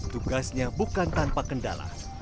tugasnya bukan tanpa kendala